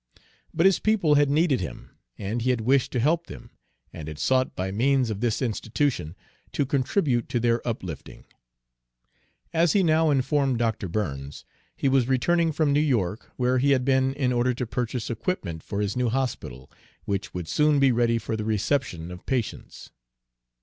But his people had needed him, and he had wished to help them, and had sought by means of this institution to contribute to their uplifting. As he now informed Dr. Burns, he was returning from New York, where he had been in order to purchase equipment for his new hospital, which would soon be ready for the reception of patients.